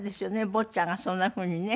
坊ちゃんがそんなふうにね。